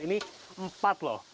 ini empat loh